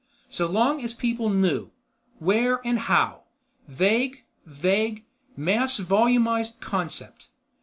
So long as people knew. Where and how. Vague, vague, mass volumized concept.